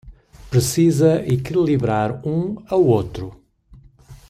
Precisa equilibrar um ao outro